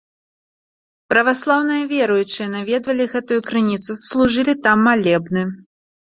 Праваслаўныя веруючыя наведвалі гэтую крыніцу, служылі там малебны.